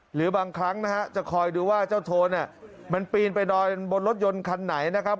หรือบางครั้งนะฮะจะคอยดูว่าเจ้าโทนเนี่ยมันปีนไปนอนบนรถยนต์คันไหนนะครับ